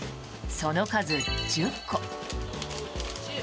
その数、１０個。